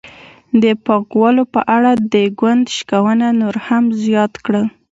د پانګوالو په اړه د ګوند شکونه نور هم زیات کړل.